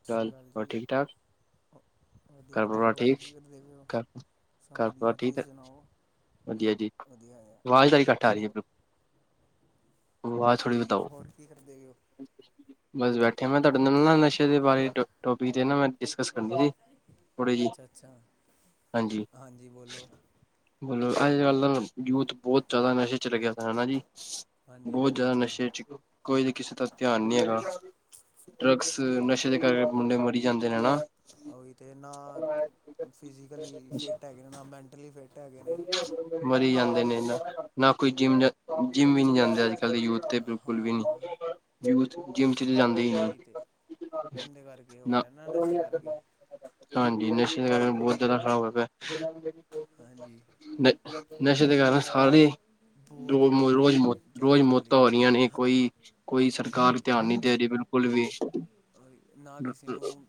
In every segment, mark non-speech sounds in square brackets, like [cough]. ਸਤਿ ਸ਼੍ਰੀ ਚੱਲ, ਅਕਾਲ ਹੋਰ ਜੀ ਠੀਕ ਠਾਕ? ਵਧੀਆ ਵਧੀਆ ਘਰਪਾਰ ਹੋਰ ਠੀਕ, ਕੀ ਕਰਦੇ ਪਏ ਹੋ ਸਭ ਘਰਪਾਰ ਵਧੀਆ ਠੀਕ ਤੁਸੀਂ ਹੈ? ਸੁਣਾਓ ਵਧੀਆ ਜੀ, ਵਧੀਆ ਆ ਆਵਾਜ਼ ਤੁਹਾਡੀ ਕਟ ਆ ਰਹੀ ਹੋ ਹੈ। ਆਵਾਜ਼ ਥੋੜੀ ਵਧਾਓ ਹੋਰ ਕੀ ਕਰਦੇ ਪਏ ਹੋ ਬਸ ਬੈਠਿਆ, ਮੈਂ ਤੁਹਾਡੇ ਨਾਲ ਨਾ ਨਸ਼ੇ ਦੇ ਬਾਰੇ ਟੋਪਿਕ 'ਤੇ ਨਾ ਮੈਂ ਡਿਸਕਸ ਕਰੀ ਜੀ ਥੋੜੇ ਜੀ, ਅੱਛਾ ਅੱਛਾ ਹਾਂਜੀ ਬਲ ਅੱਜ ਕੱਲ ਤਾਂ, ਯੂਥ ਬਹੁਤ ਜ਼ਿਆਦਾ ਨਸ਼ੇ ਚ' ਗਿਆ, ਹਨਾ ਜੀ ਹਾਂਜੀ ਬਹੁਤ ਜ਼ਿਆਦਾ ਹੀ ਨਸ਼ੇ ਚ', ਕੋਈ ਕਿਸੇ ਦਾ ਧਿਆਨ ਨਹੀਂ ਬਹੁਤ ਹੈਗਾ ਹੀ ਡਰਗਸ ਨਸ਼ੇ ਦੇ ਨਾ ਕਰਕੇ, ਮੁੰਡੇ ਮਰੀ ਜਾਂਦੇ ਨੇ, ਹਨਾ ਉਹੀ ਤੇ, ਨਾ ਫਿਜ਼ੀਕਲੀ ਫਿੱਟ ਹੈਗੇ ਨੇ, ਨਾ ਮੈਨਟਲੀ ਫਿਟ ਮਰੀ ਜਾਂਦੇ ਨੇ, ਨਾ ਕੋਈ ਜਿੰਮ-ਜਿੰਮ ਵੀ ਨੀ ਜਾਂਦੇ, ਅੱਜ ਕੱਲ ਦੇ ਯੂਥ ਤੇ' ਬਿਲਕੁਲ ਵੀ ਹਾਂ ਨ, ਹਾਂ ਯੂਥ ਜਿੰਮ ਚ' ਜਾਂਦੇ ਹੀ ਨਹੀਂ ਉਦੇ ਕਰਕੇ ਹੋ ਰਿਹਾ ਨਾ ਨਸ਼ੇ ਕਰਕੇ ਹਾਂਜੀ ਨਸ਼ੇ ਦਾ ਕਾਰਨ ਬਹੁਤ ਜ਼ਿਆਦਾ ਖ਼ਰਾਬ ਹੋ ਪਿਆ ਹਾਂਜੀ ਨ' ਨਸ਼ੇ ਦੇ ਕਾਰਨ ਸਾਰੇ ਬਹੁਤ ਰ' ਹੀ ਰੋਜ਼ਤ ਜ਼ਿਆਦਾ ਰੋਜ਼ ਫੈਲੀ ਮੌਤਾਂ ਹੋ ਰਹੀਆਂ ਨੇ ਕੋਈ ਕੋਈ ਦੀ ਸਰਕਾਰ ਧਿਆਨ ਨਹੀ ਦੇ ਰਹੀ ਬਿਲਕੁਲ ਵੀ ਨਾ ਕਿਸੇ ਨੂੰ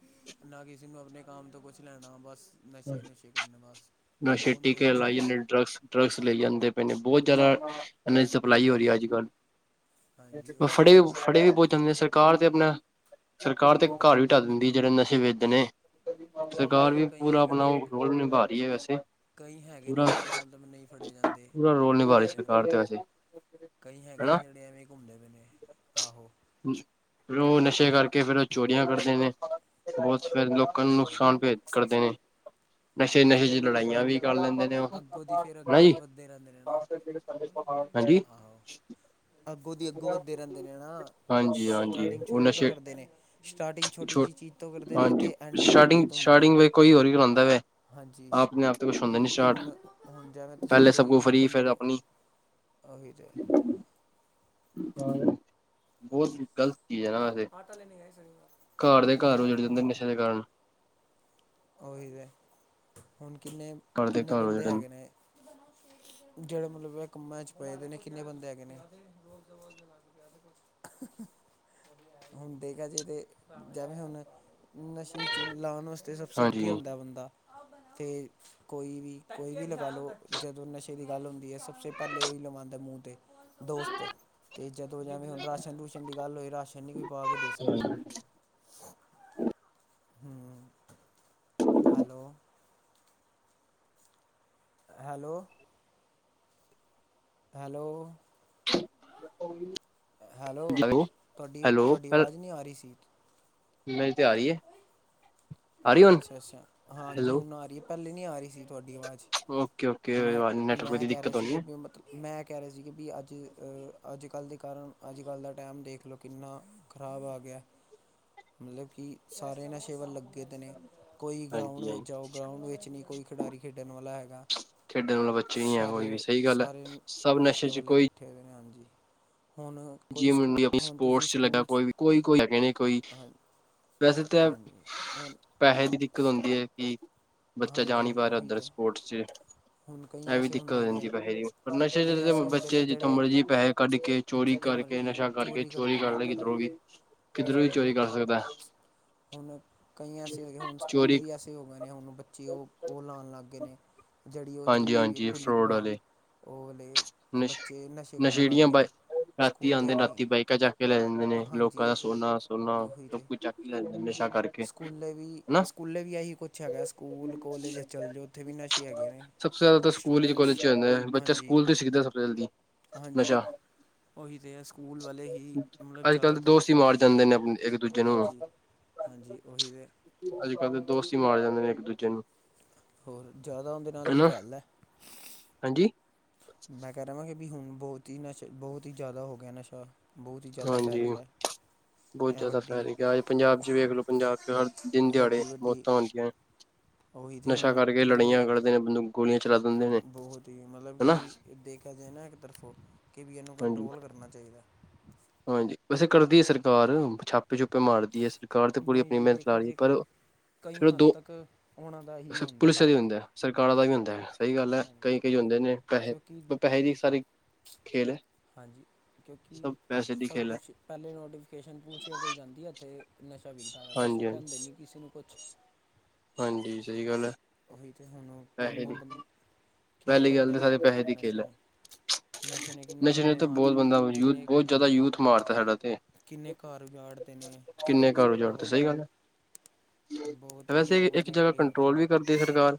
ਨਾ ਕਿਸੇ ਨੂੰ ਆਪਣੇ ਕੰਮ ਤੋਂ ਕੁਛ ਲੈਣਾ ਬਸ ਨਸ਼ੇ ਨੂੰਸ਼ੇ ਕਰਨ ਬਾਸ ਨਸ਼ੇ ਟੀਕੇ ਲਾਈ ਜਾਂਦੇ ਡਰੱਗਸ ਡਰੱਗਸ ਲਈੈ ਜਾਂਦੇ ਪਏ ਨੇ ਬਹੁਤ ਜ਼ਿਆਦਾ ਇਹਨੇ ਸਭ ਲਾਈ ਹੋ ਰਹੀ ਹੈ ਹਾਂਜੀ ਅੱਜ ਕੱਲ ਹਾਂਜੀ ਉਹੀ ਤੇ ਫੜੇ ਵੀ ਫੜੇ ਵੀ ਬਹੁਤ ਜਾਂਦੇ ਨੇ ਸਰਕਾਰ ਤੇ ਆਪਣਾ ਸਰਕਾਰ ਤੇ ਘਰ ਵੀ ਟਾ ਦਿੰਦੀ ਜਿਹੜੇ ਨਸ਼ੇ ਵੇਚਦੇ ਨੇ ਸਰਕਾਰ ਨਹੀਂ ਵੀ ਕਈ ਪੂਰਾ ਹੈਗੇ ਆਪਣਾ ਨੇ ਰੋਲ ਵੀ ਨਿਭਾ ਰਹੀ ਹੈ ਵੈਸੇ ਕਈ ਹੈਗੇ ਪੂਰਾ ਨੇ ਜਿਹੜੇ ਮਤਲਬ ਨਹੀਂ ਫੜੇ ਜਾਂਦੇ ਪੂਰਾ ਰੋਲ ਨਿਭਾ ਰਹੀ ਜਿਹੜੇ ਮਤਲਬ ਸਰਕਾਰ ਤੇ ਵੈਸੇ ਕਈ ਹੈਗੇ ਹਨਾ ਨੇ ਜਿਹੜੇ ਐਵੇਂ ਘੁੰਮਦੇ ਪਏ ਨੇ ਆਹੋ ਫਿਰ ਉਹ ਨਸ਼ੇ ਕਰਕੇ ਫੇਰ ਉਹ ਚੋਰੀਆਂ ਕਰਦੇ ਨੇ ਬਹੁਤ ਫੇਰ ਲੋਕਾਂ ਨੂੰ ਹਾਂ ਨੁਕਸਾਨ ਭੇਦ ਕਰਦੇ ਨੇ ਨਸ਼ੇ ਉਹ ਨਸ਼ੇ ਫਿਰ ਚ' ਲੜਾਈਆਂ ਵੀ ਕਰ ਲੈਂਦੇ ਨੇ ਅੱਗੋਂ ਦੀ ਫਿਰ ਨਾ ਅੱਗੇ ਜੀ ਵੱਧਦੇ ਰਹਿੰਦੇ ਨੇ ਨਾ ਹ ਹਾਂਜੀ ਆਹੋ ਅੱਗੋਂ ਦੀ ਅੱਗੋਂ ਵੱਧਦੇ ਰਹਿੰਦੇ ਨੇ ਹਨ ਹਾਂਜੀ ਹਾਂਜੀ ਸਟਾਰਟਿੰਗ ਉਹ ਛੋਟੇ ਤੋਂ ਨਸ਼ੇ ਕਰਦੇ ਨੇ ਸਟਾਰਟਿੰਗ ਛੋਟੀ ਛੋ ਜਿਹੀ ਚੀਜ਼ ਤੋਂ ਕਰਦੇ ਨੇ ਹਾਂਜੀ ਅਤੇ ਐਂਡਿੰਗ ਵੱਡੀ ਸਟਾਰਟਿੰਗ ਤੋਂ ਹੁੰਦੀ ਹੈ ਸਟਾਰਟਿੰਗ ਵ ਕੋਈ ਹੋਰ ਹੀ ਹੁੰਦਾ ਵੈ ਆਪਣੇ ਆਪ ਤੇ ਕੁਛ ਹੁੰਦਾ ਨੀ ਅਤੇ ਸਟਾਰਟ ਹੁਣ ਹੁਣ ਜਾਵੇ ਤੁਸੀਂ ਪਹਿਲੇ ਸਭ ਕੋਈ ਕੁ ਵੀ ਫਰੀ ਬੰਦੇ ਫਿਰ ਨੂੰ ਆਪਣੀ ਉਹੀ ਜੈ ਹਾਂ ਬਹੁਤ ਗ਼ਲਤ ਚੀਜ਼ ਹੈ ਨਾ ਆਟਾ ਲੈਣੇ ਗਏ ਘਰ ਸ਼ਨੀਵਾਰ ਦੇ ਘਰ ਹੈ ਉਜੜ ਜਾਂਦੇ ਹਾਂ ਨਸ਼ੇ ਦੇ ਕਾਰਨ ਉਹੀ ਤੇ ਹੁਣ ਕਿੰਨੇ ਘਰ ਦੇ ਕਿੰਨੇ ਘਰ ਉਜੜ ਬੰਦੇ ਜਾਂਦੇ ਹੈਗੇ ਨੇ ਜਿਹੜੇ ਮਤਲਬ ਇਹ ਕੰਮਾਂ ਚ' ਪਏਦੇ ਨੇ ਕਿੰਨੇ ਬੰਦੇ ਹੈਗੇ ਨੇ ਰੋਜ਼ ਦਾ ਵਜ਼ ਲਗਾ ਕੇਿਆਦੇ ਕੁਛ ਹੁਣ ਦੇਖਾ ਜੇ ਤੇ ਜਿਵੇਂ ਹੁਣ ਨਸ਼ੇ ਚ ਲਾਉਣ ਵਾਸਤੇ ਅਤੇ ਸਬਸੇ ਹਾਂਜੀ ਅੱਗੇ ਹੁੰਦਾ ਬੰਦਾ ਅਤੇ, ਕੋਈ ਵੀ ਕੋਈ ਵੀ ਲਵਾ ਲਓ ਜਦੋਂ ਨਸ਼ੇ ਦੀ ਗੱਲ ਹੁੰਦੀ ਹੈ ਸਭ ਤੋਂ ਪਹਿਲੇ ਹੀ ਲਵਾਉਂਦਾ ਮੂੰਹ ਤੇ ਦੋਸਤ ਤੇ ਜਦੋਂ ਜਿਵੇਂ ਹੁਣ ਰਾਸ਼ਨ ਰੂਸ਼ਨ ਦੀ ਗੱਲ ਹੋਈ ਛਨੀ ਕੋਈ ਪਾ ਕੇ ਦੇ ਸਕਦਾ, ਹ ਹੈਲੋ, ਹੈਲੋ, ਹੈਲੋ, ਹੈਲੋ ਤੁਹਾਡੀ ਤੁਹਾਡੀ ਆਵਾਜ਼ ਨਹੀਂ ਆ ਰਹੀ ਸੀ, ਮੇਿਲ ਤੇ ਆਈ ਏ ਅੱਛਾ ਅੱਛਾ ਹਾਂਜੀ ਹੈਲੋ ਹੁਣ ਆ ਰਹੀ ਹੈ ਪਹਿਲੇ ਨਹੀਂ ਆ ਰਹੀ ਸੀ ਤੁਹਾਡੀ ਆਵਾਜ਼ ਓਕੇ ਓਕੇ ਮੈਂ ਨੈਟਵਰਕ ਮੈਂ ਦੀ ਕਹਿ ਰਹਾ ਦਿੱਕਤ ਸੀ ਹੋਣੀ ਕਿ ਹੈ ਵੀ ਮਤਲਬ ਮੈਂ ਕਹਿ ਰਹੇ ਸੀ ਕਿ ਵੀ ਅੱਜ ਅੱਜ ਕੱਲ੍ਹ ਦੇ ਕਾਰਨ ਅੱਜ ਕੱਲ੍ਹ ਦਾ ਟਾਈਮ ਦੇਖ ਲਓ ਕਿੰਨਾ, ਖਰਾਬ ਆ ਗਿਆ ਮਤਲਬ ਕਿ ਸਾਰੇ ਨਸ਼ੇ ਵੱਲ ਲੱਗੇ ਦੇ ਨੇ, ਕੋਈ ਗਰਾਊਂਡ ਹਾਂਜੀ ਹਾਂਜੀ ਵਿੱਚ ਜਾਓ ਗਰਾਊਂਡ ਵਿੱਚ ਨਹੀਂ ਕੋਈ ਖਿਡਾਰੀ ਖੇਡਣ ਵਾਲਾ ਹੈਗਾ ਖੇਡਣ ਵਾਲਾ ਬੱਚੇ ਨਹੀਂ ਹੈ ਕੋਈ ਵੀ ਸਾਰੇ ਸਹੀ ਗੱਲ ਹੈ ਸਾਰੇ ਸਭ ਨਸ਼ੇ ਚ ਵਾਲੇੱ ਕੋਈ ਬੱਠੇ ਹੋ ਨੇ ਹਾਂਜੀ ਹੁਣ, ਕੋਈ ਜਿਮ ਸਕੂ ਇਡੀ ਹੁਣ ਤੁਸੀਂ ਸਪੋਰਟਸ ਚ ਲੱਗਾ ਸਕੂਲ ਕੋਈ ਵੀ ਕੋਈ ਕੋਈ ਹੈਗੇਨੇ ਕੋਈ ਹਾਂ ਵੈਸੇ ਤਾਂ ਹਾਂਜੀ ਹੁਣ ਪੈਸੇ ਦੀ ਦਿੱਕਤ ਸ- ਹੁੰਦੀ ਹੈ ਕਿ ਬੱਚਾ ਜਾ ਨਹੀਂ ਹਾਂਜੀ ਪਾ ਰਿਹਾ, ਉਹੀ ਓਧਰ ਤਾਂ ਸਪੋਰਟਸ'ਚ। ਹੁਣ ਕਈ ਇਹ ਵੀ ਐਸੇ ਦਿੱਕਤ ਹੋ ਹੁੰਦੇ ਨੇ ਜਾਂਦੀ ਪੈਸੇ ਦੀ, ਪਰ ਕਈ ਨਸ਼ੇ ਐਸੇ ਹੁੰਦੇ ਬੱਚੇ ਨੇ ਜਿੱਥੋਂ ਜਿਹੜੇ ਮਰਜ਼ੀ ਪੈਹੇ ਕੱਢਕੇ ਚੋਰੀ ਜਿੱਥੋਂ ਕਰਕੇ, ਮਰਜ਼ੀ ਨਸ਼ਾ ਕਰਕੇ ਚੋਰੀ ਕਰਦੇ ਨੇ ਕਰ ਲਈ ਘਰੋਂ ਕਿਧਰੋਂ ਵੀ, ਕਿਧਰੋਂ ਨਸ਼ੇ ਵੀ ਕਰਦੇ ਚੋਰੀ ਕਰ ਸਕਦਾ। ਹੁਣ ਕਈ ਐਸੇ ਹੋ ਗਏ ਹੁਣ ਸਕੂਲ ਚੋਰੀ ਵੀ ਐਸੇ ਹੋ ਗਏ ਨੇ, ਹੁਣ ਬੱਚੇ ਉਹ, ਉਹ ਲਾਣ ਲੱਗ ਗਏ ਨੇ। ਜਿਹੜੀ ਉਹ ਹਾਂਜੀ ਚਲਦੀ ਪੀਏ ਹਾਂਜੀ ਫਰੋਡ ਵਾਲੇ [inaudible] ਉਹ ਨੇ, ਨਸ਼ ਬੱਚੇ, ਨਸ਼ੇ ਕਰਨ ਨਸ਼ੇੜੀਆਂ ਲਗਗੇ ਬ ਨੇ। ਰਾਤੀ ਸਕੂਲੇ ਆਦੇ ਨੇ, ਵੀ ਰਾਤੀ ਬਾਈਕਾਂ ਚਕਕੇ ਲੈ ਜਾਂਦੇ ਨੇ, ਲੋਕਾਂ ਹਾਂਜੀ ਦਾ ਸੋਨਾ-ਸੁਨਾ ਉਹੀ ਸਭ ਤੇ ਕੁਝ ਚੱਕਕੇ ਲੈ ਜਾਂਦੇ ਨੇ, ਨਸ਼ਾ ਕਰ ਸਕੂਲੇ ਵੀ, ਸਕੂਲੇ ਵੀ ਇਹੀ ਕੁਛ ਹੈਗਾ ਸਕੂਲ, ਕੋਲੇਜ ਚੱਲ ਜਾਓ ਉੱਥੇ ਵੀ ਨਸ਼ੇ ਹੈਗੇ ਨੇ ਸਭ ਤੋਂ ਜ਼ਿਆਦਾ ਤਾਂ ਸਕੂਲ'ਚ ਸਟੂਡੈਂਟਸ ਕੋਲਜ'ਚ ਆਂਦਾ, ਬੱਚਾ ਹਾਂਜੀ ਸਕੂਲ ਤੋਂ ਹੀ ਸਿੱਖਦਾ ਸਭ ਜਲਦੀ, ਹਾਂਜੀ ਨਸ਼ਾ। ਉਹੀ ਤੇ ਹੈ, ਸਕੂਲ ਵਾਲੇ ਹੀ ਮਤਲਬ ਅੱਜ ਕੱਲ੍ਹ ਦੇ ਜ਼ਿਆਦਾਤਰ ਦੋਸਤ ਹੀ ਮਾਰ ਦੇਖਿਆ ਜਾਂਦੇ ਨੇ ਜਾਵੇ, ਆਪਣੇ ਇੱਕ ਦੂਜੇ ਨੂੰ ਹਾਂਜੀ। ਹਾਂਜੀ, ਉਹੀ ਤੇ। ਅੱਜ-ਕੱਲ ਤੇ ਦੋਸਤ ਹੀ ਮਾਰ ਜਾਂਦੇ ਨੇ, ਇੱਕ-ਦੂਜੇ ਨੂੰ। ਹੋਰ, ਜ਼ਿਆਦਾ ਉੰਹਦੇ ਨਾਲ ਹੀ ਹਨਾ ਫੈਲਦਾ। ਹਾਂਜੀ? ਮੈਂ ਕਹਿ ਰਵਾਂਗੇ, ਵੀ ਹੁਣ ਬਹੁਤ ਹੀ ਨਸ਼ਾ ਬਹੁਤ ਹੀ ਜ਼ਿਆਦਾ ਹੋਗਿਆ ਨਸ਼ਾ, ਬਹੁਤ ਹੀ ਜ਼ਿਆਦਾ ਹਾਂਜੀ ਫੈਲ ਗਿਆ। ਬਹੁਤ ਇਹ ਜ਼ਿਆਦਾ ਵੱਡੀ ਫੈਲ ਗਿਆ, ਅੱਜ ਪੰਜਾਬ'ਚ ਵੇਖਲੋ, ਪੰਜਾਬ'ਚ ਹਰ ਦਿਨ-ਦਿਹਾੜੇ ਵੱਡੀ ਵੱਡੀ ਮੌਤਾਂ ਹੋਂਦੀਆ। ਉਹੀ ਤਾਂ ਨਸ਼ਾ ਹੁਣ ਕਰਕੇ ਕਿੰਨੇ ਲੜਾਈਆਂ ਕਰਦੇ ਨੇ ਬੰਦੂ ਬਹੁਤ ਹੀ, ਮਤਲਬ ਕਿ ਦੇਖਿਆ ਜਾਏ ਨਾ ਇੱਕ ਤਰਫੋਂ ਕਿ ਵੀ ਇਹਨੂੰ ਹਾਂਜੀ ਕੰਟਰੋਲ ਕਰਨਾ ਚਾਹੀਦਾ। ਹਾਂਜੀ, ਵੈਸੇ ਕਰਦੀ ਏ ਸਰਕਾਰ, ਛਾਪੇ-ਛੁਪੇ ਮਾਰਦੀ ਹੈ ਸਰਕਾਰ, ਤੇ ਪੂਰੀ ਨਹੀਂ ਆਪਣੀ ਜੀ ਮਿਹਨਤ ਦੇਖਿਆ ਨਾਲ ਹੀ, ਜੇ ਪਰ। ਕਈ ਫਿਰ ਹੱਦ ਦੋ ਤੱਕ, ਉਹਨਾਂ ਦਾ ਏਹੀ ਹੁੰਦਾ ਪੁਲਿਸ ਦਾ ਵੀ ਹੱਥ। ਹੁੰਦਾ ਸਰਕਾਰਾਂ ਦਾ ਵੀ ਹੁੰਦਾ ਏ, ਸਹੀ ਗੱਲ ਐ, ਕਈ-ਕਈ ਹਾਂਜੀ ਹੁੰਦੇ ਨੇ ਪੈਹੇ, ਕਿਉਂਕਿ ਪੈਹੇ ਦੀ ਸਾਰੀ ਖੇਲ ਏ। ਹਾਂਜੀ, ਕਿਉਂਕਿ ਸਭ ਖੇਲ ਹੈ ਕੁਛ ਪਹਿਲੇ ਨੋਟੀਫਿਕੇਸ਼ਨ ਪੁਲਸ ਕੋਈ ਜਾਂਦੀ ਹੈ, ਇੱਥੇ। ਨਸ਼ਾ ਵਿਕਦਾ ਵਾ ਬਸ, ਹਾਂਜੀ ਉਹ ਹਾਂਜੀ ਕਹਿੰਦੇ ਨੇ ਕਿਸੇ ਨੂੰ ਕੁਛ ਹਾਂਜੀ, ਸਹੀ ਗੱਲ ਐ। ਉਹੀ ਤੇ ਹੁਣ, ਕਿੰਨੇ ਬੰ, ਕਿੰਨੇ ਪਹਿਲੀ ਗੱਲ ਬੰਦੇ ਤਾਂ ਸਾਰੇ ਮਾਰਤੇ ਪੈਸੇ ਨੇ ਦੀ ਖੇਲ ਨਸ਼ੇ ਹੈ ਨੇ। ਨਸ਼ੇ ਨੇ ਕਿੰਨੇ ਨਸ਼ੇ ਨੇ ਬੰਦੇ ਤਾਂ ਬਹੁਤ ਮਾਰਤੇ ਨੇ, ਬੰਦਾ ਯੂਥ ਕਿੰਨੇ ਬਹੁਤ ਜ਼ਿਆਦਾ ਯੂਥ ਮਾਰਤਾ ਸਾਡਾ ਤੇ ਕਿੰਨੇ ਘਰ ਉਜਾੜਤੇ ਨੇ, ਕਿੰਨੇ ਘਰ ਉਜਾੜ ਤੇ ਬਹੁਤ। ਸਹੀ ਗੱਲ ਹੈ ਬਹੁਤ ਹੀ ਵੈਸੇ, ਮਤਲਬ ਇੱਕ ਉਹਦੇ ਜਗ੍ਹਾ ਨਾਲ ਹੀ ਹੋਰ ਕੰਟਰੋਲ ਵੀ ਕਰਦੀ ਸਰਕਾਰ,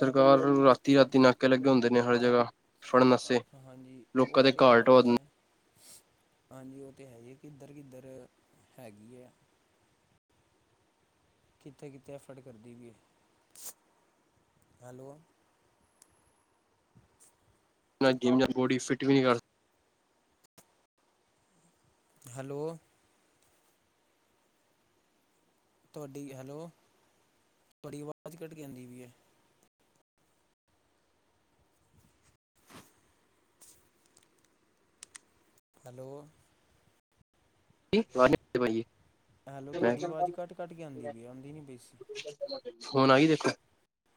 ਸਰਕਾਰ ਰਾਤੀ-ਰਾਤੀ ਕਿੱਧਰੋਂ ਨਾਕੇ ਲੱਗੇ ਹੁੰਦੇ ਨੇ, ਹਰ ਜਗ੍ਹਾ ਫੜਨ ਆਸ ਹਾਂਜੀ, ਉਹ ਤੇ ਹੈਹੀ ਏ। ਹਾਂਜੀ ਉਹ ਤੇ ਹੈਹੀ ਏ, ਕਿੱਧਰ-ਕਿੱਧਰ ਹੈਗੀ ਐ? ਕਿੱਥੇ-ਕਿੱਥੇ, ਐਫਡ ਕਰਦੀ ਪਈ ਏ, ਹੈਲੋ। ਜਿੰਮ ਜਾਂ ਬੋਡੀ, ਫਿੱਟ ਵੀ ਨਹੀਂ ਕਰ ਹੈਲੋ। ਤੁਹਾਡੀ, ਹੈਲੋ, ਤੁਹਾਡੀ ਆਵਾਜ਼ ਕਟਕੇ ਆਂਦੀ ਪੀ ਏ। ਹੈਲੋ ਸਕਦੀ ਹੈਲੋ ਮੈਂ ਤੁਹਾਡੀ ਆਵਾਜ਼ ਘੱਟ ਘੱਟ ਕੇ ਆਉਂਦੀ ਪਈ ਆਉਂਦੀ ਨਹੀਂ ਪਈ ਸੀ ਹੁਣ ਆਈ ਦੇਖੋ,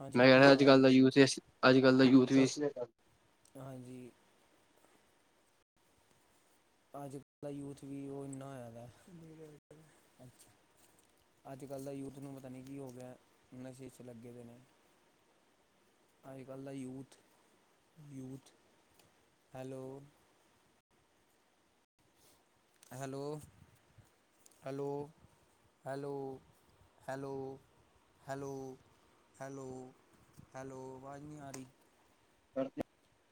ਹਾਂਜੀ ਮੈਂ ਕਹਿ ਹੁਣ ਰਿਆਂ, ਆ ਰਹੀ ਅੱਜ-ਕੱਲ ਦਾ ਯੂਥ ਇਸ, ਅੱਜ-ਕੱਲ ਦਾ ਯੂਥ ਵੀ ਇਸ ਹਾਂਜੀ ਅੱਜ-ਕਲ ਦਾ ਯੂਥ ਵੀ, ਉਹ ਇੰਨਾ ਹੋਯਾਦਾ। ਅੱਜ-ਕੱਲ ਦੇ ਯੂਥ ਨੂੰ ਪਤਾ ਨਹੀਂ ਕਿ ਹੋਗਿਆ, ਨਸ਼ੇ 'ਚ ਲੱਗੇ ਪੇ ਨੇ। ਅਜ-ਕੱਲ ਦਾ youth, youth, hello hello, hello hello, hello hello, hello, hello ਅਵਾਜ਼ ਨਹੀਂ ਆ ਰਹੀ। ਕਰ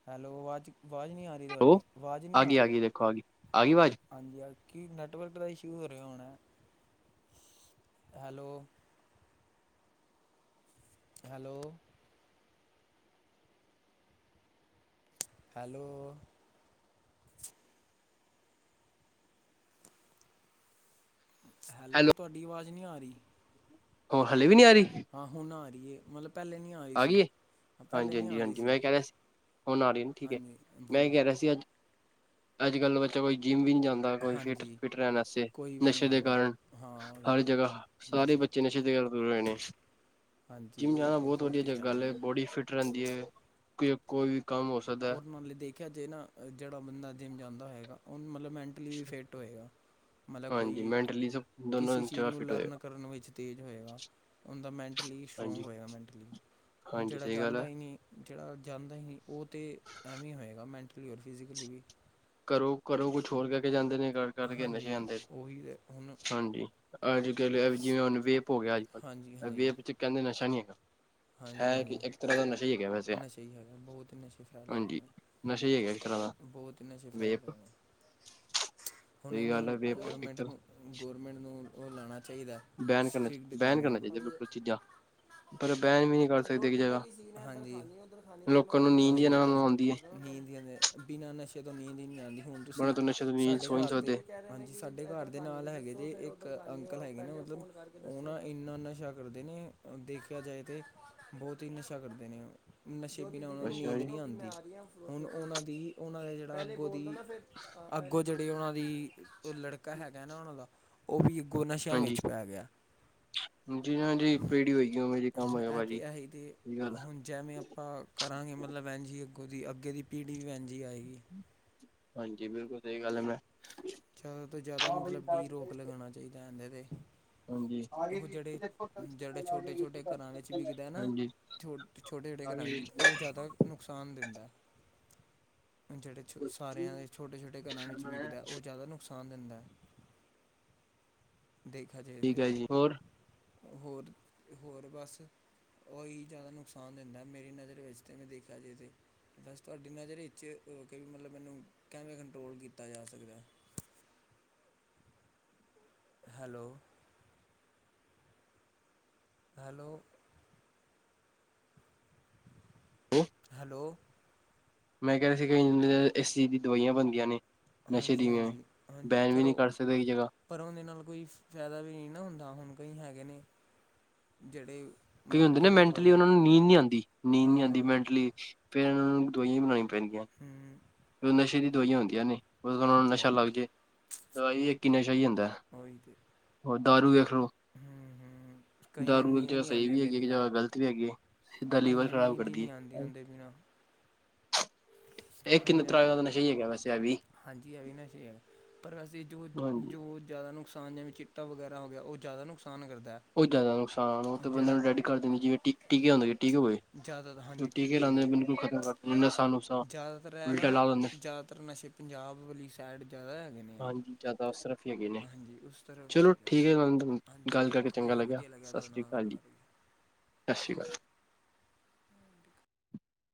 ਹੈਲੋ, ਆਵਾਜ਼- ਆਵਾਜ਼ ਨਹੀਂ ਆ ਰਹੀ ਤੁਹਾਡੀ, ਆਵਾਜ਼ ਨਹੀਂ ਆ ਗਈ ਰਹੀ। ਗਈ ਦੇਖੋ ਆ ਗਈ ਆ ਗਈ ਆਵਾਜ਼ ਹਾਂਜੀ ਹਾਂ, ਕੀ ਨੈੱਟਵਰਕ ਦਾ ਇਸ਼ੂ ਹੋ ਰਿਹਾ ਹੋਣਾ। ਹੈਲੋ, ਹੈਲੋ, ਹੈਲੋ, ਹੈਲੋ, ਤੁਹਾਡੀ ਆਵਾਜ਼ ਨਹੀਂ ਆ ਰਹੀ। ਹ ਹਲੇ ਵੀ ਨਹੀਂ ਆ ਰਹੀ। ਹਾਂ ਹੁਣ ਆ ਰਹੀ ਹੈ, ਮਤਲਬ ਪਹਿਲੇ ਨਹੀਂ ਆ ਰਹੀ ਸੀ। ਗਈ ਏ ਹਾਂ, ਪਹਿਲੇ ਨਹੀਂ ਆ ਰਹੀ ਸੀ। ਹੋਣ ਆ ਰਹੀਆਂ ਨੇ ਠੀਕ ਹੈ, ਹਾਂਜੀ ਮੈਂ ਇਹ ਬੋਲੋ ਕਹਿ ਰਿਹਾ ਸੀ ਅੱਜ, ਅੱਜ ਕੱਲ ਬੱਚਾ ਕੋਈ ਜਿੰਮ ਵੀ ਨਹੀਂ ਜਾਂਦਾ। ਹਰ ਕੋਈ ਸ਼ੀਟ, ਹਾਂਜੀ ਫਿਟ ਰਹਿਣ ਵਸਤੇ, ਕੋਈ ਵੀ ਨਹੀਂ ਨਸ਼ੇ ਆਇਆ ਦੇ ਕਾਰਨ, ਮਤਲਬ ਹਾਂ ਉਹੀ ਹਰ ਜਗ੍ਹਾ ਸਾਰੇ ਬੱਚੇ ਬੱਚੇ ਨਸ਼ੇ ਤੇ ਗੱਲ ਦੂਰ ਹੋਏ ਨੇ। ਹਾਂਜੀ ਜਿੰਮ ਉਹੀ ਜਾਣਾ ਤਾਂ ਬਹੁਤ ਹੀ ਵਧੀਆ ਫੈਲ ਗੱਲ ਗਿਆ ਹੈ। ਬੋਡੀ ਫਿਟ ਰਹਿੰਦੀ ਹੈ। ਕੋਈ ਵੀ ਕੰਮ ਸਕਦਾ ਹੈ। ਰ ਨਾਲੇ ਦੇਖਿਆ ਜੇ ਨਾ ਜਿਹੜਾ ਬੰਦਾ ਜਿੰਮ ਜਾਂਦਾ ਹੈਗਾ, ਉਹ ਮਤਲਬ ਮੈਂਟਲੀ ਵੀ ਫਿੱਟ ਹੋਏਗਾ। ਮਤਲਬ ਹਾਂਜੀ। ਕੋਈ ਮੈਂਟਲੀ ਦੋਨੋਂ ਕਿਸੇ ਚੀਜ਼ ਜਗ੍ਹਾ ਨੂੰ ਫਿਟ ਲਰਨ ਹੋਏਗਾ ਕਰਨ ਵਿੱਚ ਤੇਜ਼ ਹੋਏਗਾ। ਉਹਦਾ ਮੈਨਟਲੀ ਸਟਰਾਂਗ ਹਾਂਜੀ ਹੋਏਗਾ ਮੈਨਟਲੀ। ਹੁਣ ਹਾਂਜੀ ਜਿਹੜਾ ਸਹੀ ਗੱਲ ਜਾਂਦਾ ਹੈ ਹੀ ਨਹੀਂ, ਜਿਹੜਾ ਜਾਂਦਾ ਹੀ ਨਹੀਂ ਉਹ ਅਤੇ ਐਵੇਂ ਹੀ ਹੋਏਗਾ, ਮੈਂਟਲੀ ਔਰ ਫਿਜ਼ਕਲੀ ਵੀ। ਘਰੋਂ- ਘਰੋਂ ਕੁਛ ਹੋਰ ਕਹਿ ਕੇ ਜਾਂਦੇ ਨੇ ਕਰ ਕਰਕੇ ਹਾਂਜੀ ਨਸ਼ੇ ਆਦੇ ਉਹੀ ਤੇ ਹੁਣ ਨੇ। ਹਾਂਜੀ। ਅੱਜ ਕੱਲ ਜਿਵੇਂ ਹੁਣ ਵੇਪ ਹੋ ਗਿਆ, ਅੱਜ ਹਾਂਜੀ ਕੱਲ ਹਾਂਜੀ ਵੇਪ ਚ' ਕਹਿੰਦੇ ਨਸ਼ਾ ਨੀ ਹੈਗਾ। ਹਾਂਜੀ- ਹਾਂਜੀ। ਤਾਂ ਹੀ ਹੈ। ਨਸ਼ੇ ਹੀ ਹੈਗਾ ਬਹੁਤ ਹੀ ਨਸ਼ੇ ਫੈਲੇ ਨਸ਼ਾ ਹੀ ਹੈਗਾ ਇੱਕ ਤਰ੍ਹਾਂ ਦਾ ਗਏ। ਬਹੁਤ ਹੀ ਨਸ਼ੇ ਫੈ ਵੇਪ ਹੈਲੋ, ਹੁਣ ਸਹੀ ਇਹਨੂੰ ਗੱਲ ਹੈ ਵੇਪ ਇੱਕ ਗੌਰਮੈਂਟ ਤਰ੍ਹਾਂ ਨੂੰ ਗੌਰਮੈਂਟ ਨੂੰ ਉਹ ਲਾਉਣਾ ਚਾਹੀਦਾ ਬੈਨ ਕਰਨਾ ਸੀ। ਬੈਨ ਕਰਨਾ ਕਾਨੂੰਨ। ਚਾਹੀਦਾ ਬਿਲਕੁਲ ਚੀਜ਼ਾਂ ਪਰ ਬੈਣ ਵੀ ਨ ਰੋਟੀ ਦਾ ਕੀ ਸੀਜ਼ ਉਧਰ ਖਾ ਲੋਕਾਂ ਨੂੰ ਨੀਂਦ ਫ ਹੀ ਮੈਂ ਨਾ ਨਾਲ ਫੋਨ ਆਉਂਦੀ ਹੈ ਕਰਦਾ [unintelligible] ਨੀਂਦ ਬਿਨਾਂ ਨਸ਼ੇ ਤੋਂ ਨੀਂਦ ਹੀ ਨੀ ਆਂਦੀ ਹੁਣ ਤੁਸੀਂ ਬਣਾ ਤੋਂ ਨਸ਼ੇ ਤੋਂ ਨੀਂਦ ਸਾਡੇ ਸੋ ਨਹੀਂ ਘਰ ਦੇ ਸਕਦੇ ਹਾਂਜੀ, ਸਾਡੇ ਘਰ ਦੇ ਨਾਲ ਹੈਗੇ ਜੇ ਇੱਕ ਅੰਕਲ ਹੈਗੇ ਨੇ ਮਤਲਬ ਉਹ ਨਾ ਇੰਨਾ ਨਸ਼ਾ ਕਰਦੇ ਨੇ। ਦੇਖਿਆ ਜਾਏ ਤਾਂ ਬਹੁਤ ਹੀ ਨਸ਼ਾ ਕਰਦੇ ਨੇ ਨਸ਼ੇ ਪਿਨਾ ਉਹਨਾ ਨੂੰ ਅੱਛਾ ਨੀਂਦ ਜੀ ਨੀ ਆਉਂਦੀ। ਹੁਣ ਉਹਨਾਂ ਦੀ, ਉਹਨਾਂ ਦਾ ਜਿਹੜਾ ਅੱਗੋਂ ਦੀ ਅੱਗੋਂ ਜਿਹੜੀ ਉਹਨਾਂ ਦੀ ਲੜਕਾ ਹੈਗਾ ਨਾ ਉਹਨਾਂ ਦਾ ਉਹ ਵੀ ਅੱਗੋਂ ਨਸ਼ਿਆਂ ਹਾਂਜੀ ਵਿੱਚ ਪੈ ਗਿਆ। ਜੀ ਨਾ ਜੀ ਪੇੜੀ ਹੋਏਗੀ, ਉਹ ਮੇਰੀ ਹੁਣ ਇਹ ਤੇ ਆਹੀ ਦੇ, ਬਹੁਤ ਜੇਵੇਂ ਆਪਾਂ ਕਰਾਂਗੇ ਮਤਲਬ ਐਂਨਜ ਹੀ ਅੱਗੋਂ ਦੀ ਅੱਗੇ ਦੀ ਪੀੜ੍ਹੀ ਵੀ ਐਂਨਜ ਹੀ ਆਏਗੀ। ਹਾਂਜੀ, ਬਿਲਕੁਲ ਸਹੀ ਗੱਲ ਹੈ ਮੈਂ ਜ਼ਿਆਦਾ ਤੋਂ ਜ਼ਿਆਦਾ ਮਤਲਬ ਕੀ ਰੋਕ ਲਗਾਉਣਾ ਚਾਹੀਦਾ ਇਹਨਦੇ 'ਤੇ। ਹਾਂਜੀ। ਆ ਗਏ ਉਹ ਜੀ ਜਿਹੜੇ ਦੇਖੋ ਇੱਕ ਹੀ ਬਾਰ ਜਿਹੜੇ ਕੋਲ ਆ ਛੋਟੇ ਜਾਏਗੀ ਛੋਟੇ ਚੈਕ ਘਰਾਂ ਕਰ ਵਿੱਚ ਲੈਣਾ। ਵਿਕਦਾ ਨਾ ਹਾਂਜੀ। ਛੋ ਛੋਟੇ- ਛੋਟੇ ਘਰਾਂ ਜੀ, ਉਹ ਜ਼ਿਆਦਾ ਨੁਕਸਾਨ ਦਿੰਦਾ ਹੈ। ਜਿਹੜੇ ਛੋ ਸਾਰਿਆਂ ਦੇ ਛੋਟੇ- ਛੋਟੇ ਘਰਾਂ ਵਿੱਚ ਵਿਕਦਾ ਹੈ। ਉਹ ਜ਼ਿਆਦਾ ਨੁਕਸਾਨ ਦਿੰਦਾ ਹੈ। ਦੇਖਾ ਜਾਏ ਤੇ। ਠੀਕ ਹੈ ਜੀ ਹੋਰ ਹੋਰ, ਤੇ ਹੋਰ ਬਸ ਉਹ ਹੀ ਜ਼ਿਆਦਾ ਨੁਕਸਾਨ ਦਿੰਦਾ ਹੈ, ਮੇਰੀ ਨਜ਼ਰ ਇਸਤੇ, ਮੈਂ ਦੇਖਿਆ ਜਾਏ ਤੇ। ਬਸ ਤੁਹਾਡੀ ਨਜ਼ਰ ਵਿੱਚ ਕਿ ਵੀ ਮਤਲਬ, ਮੈਨੂੰ ਕੈਵੇਂ ਕੰਟਰੋਲ ਕੀਤਾ ਜਾ ਸਕਦਾ ਹੈ? ਹੈਲੋ ਹੈਲੋ ਹੈਲੋ ਅ ਮੈਂ ਕਿਆ ਸੀ, ਕਿ ਇਨ ਅ ਇਸ ਚੀਜ਼ ਦੀ ਦਵਾਇਆਂ ਬਣਦੀਆਂ ਨੇ। ਨਸ਼ੇ ਹਾਂਜੀ ਦੀ ਵੇਂਂ, ਹਾਂਜੀ ਹਾਂਜੀ ਬੈਨ ਵੀ ਪਰ ਨਹੀਂ ਉਹ ਕਰ ਸਕਦੇ ਇੱਕ ਜਗ੍ਹਾ ਪਰ ਉਹਨੰਦੇ ਨਾਲ ਕੋਈ ਫਾਇਦਾ ਵੀ ਨਹੀਂ ਨੀ ਨਾ ਹੁੰਦਾ, ਹੁਣ ਕਈ ਹੈਗੇ ਨੇ ਜਿਹੜੇ ਕਈ ਮਤਲਬ ਹੁੰਦੇ ਨੇ ਜਿਹੜੇ ਮੈਂਟਲੀ ਦਵਾਈ ਉਹਨਾ ਨੂੰ ਨੀਂਦ ਨਹੀਂ ਆਂਦੀ, ਨੀਂਦ ਨਹੀਂ ਹਾਂ ਆਂਦੀ ਹਾਂ ਮੈਂਟਲੀ ਫਿਰ ਇਹਨਾਂ ਨੂੰ ਦਵਾਈਆਂ ਬਣਾਉਣੀ ਪੈਂਦੀਆਂ। ਹਮ। ਫਿਰ ਨਸ਼ੇ ਦੀ ਦਵਾਇਆਂ ਹੁੰਦੀਆਂ ਨੇ। ਉਹਧੋ ਤੋਂ ਉਹਨਾ ਨੂੰ ਆਹੋ ਨਸ਼ਾ ਲੱਗ ਆਹੋ ਜਏ, ਦਵਾਈ ਵੀ ਇੱਕ ਹੀ ਨਸ਼ਾ ਹੀ ਹੁੰਦਾ ਹੈ। ਉਹੀ ਤੇ ਹੋਰ, ਦਾਰੂ ਵੇਖ ਲੋ ਹੂੰ ਹੂੰ ਕਈਆਂ ਨੂੰ ਦਾਰੂ ਇੱਕ ਨੀਂਦ ਜਗ੍ਹਾ ਨਹੀਂ ਸਹੀ ਆਉਂਦੀ ਵੀ ਉਹਦੇ ਹੈਗੀ ਹੈ, ਇੱਕ ਬਿਨਾਂ ਜਗ੍ਹਾ ਗ਼ਲਤ ਵੀ ਹੈਗੀ ਹੈ, ਸਿੱਧਾ ਲੀਵਰ ਕਈਆਂ ਨੂੰ ਖ਼ਰਾਬ ਨੀਂਦ ਹੀ ਕਰਦੀ ਨਹੀਂ ਆਉਂਦੀ ਏ। ਉਹਦੇ ਬਿਨਾਂ ਇਹ ਹੁਣ ਕਿੰਨੇ ਜਿਵੇਂ ਤਰ੍ਹਾਂ ਦਾ ਨਸ਼ਾ ਹੀ ਹੈਗਾ ਵੈਸੇ ਵੀ। ਹਾਂਜੀ, ਇਹ ਵੀ ਜਾਦਾ ਨਸ਼ੇ ਆ ਕ ਪਰ ਅਸੀਂ ਜੋ ਹਾਂਜੀ ਜੋ ਜ਼ਿਆਦਾ ਨੁਕਸਾਨ ਜਿਵੇਂ ਚਿ ਟਾ ਵਗੈਰਾ ਹੋ ਗਿਆ, ਉਹ ਜ਼ਿਆਦਾ ਨੁਕਸਾਨ ਕਰਦੇ। ਉਹ ਜ਼ਿਆਦਾ ਨੁਕਸਾਨ ਉਹ ਤੇ ਬੰਦੇ ਨੂੰ ਡੈਡ ਕਰ ਦੇਣੀ ਚਾਹੀਏ ਟੀ ਟਿ ਟੀਕੇ ਹੁੰਦਾ ਟੀ ਹੋਏ ਟੀਕੇ [unintelligible] ਜ਼ਿਆਦਾਤਰ ਹਾਂਜੀ ਟੀਕ ਹੋ ਲਾਂਦੇ ਗਏ। ਬਿਲਕੁਲ ਖਤਮ ਕਰ ਦਿੰਦੇ ਨਸਾਂ ਨੁਸਾਂ ਜ਼ਿਆਦਾਤਰ ਹੈ ਉਲਟਾ ਨਾ ਲਾ ਦਿੰਦੇ ਜ਼ਿਆਦਾਤਰ ਨਸ਼ੇ ਪੰਜਾਬ ਵਾਲੀ ਸਾਈਡ ਜ਼ਿਆਦਾ ਹੈਗੇ ਨੇ, ਹਾਂਜੀ ਜ਼ਿਆਦਾ ਅਸਰਫੀ ਹੈਗੇ ਨੇ ਆ ਹਾਂਜੀ ਉਸ ਤਰ੍ਹਾਂ ਚਲੋ ਜ਼ਿਆਦਾ ਠੀਕ ਹੈ। ਗੱਲ ਕਰਕੇ ਹਾਂਜੀ। ਚੰਗਾ ਕੋਈ ਨਹੀਂ ਲੱਗਿਆ, ਵਧੀਆ ਸਤਿ ਤੁਹਾਡੇ ਸ੍ਰੀ ਨਾਲ ਅਕਾਲ ਗੱਲ ਜੀ ਕਰਕੇ -ਸਤਿ ਸ਼੍ਰੀ ਅਕਾਲ।